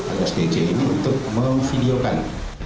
alias dc ini untuk memvideokan